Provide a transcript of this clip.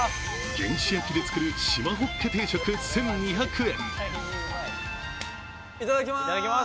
原始焼き作る縞ほっけ定食１２００円。